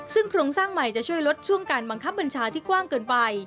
ซึ่งโครงสร้างใหม่จะช่วยลดช่วงการบังคับบัญชาที่กว้างเกินไป